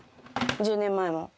１０年前も。